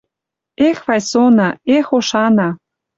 Эх, Вайсона, эх, ошана